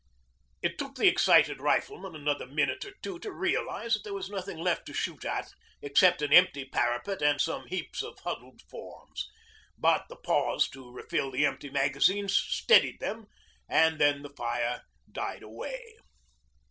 It took the excited riflemen another minute or two to realise that there was nothing left to shoot at except an empty parapet and some heaps of huddled forms; but the pause to refill the empty magazines steadied them, and then the fire died away.